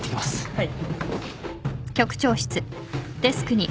はい。